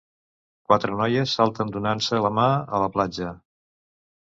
Quatre noies salten donant-se la mà a la platja.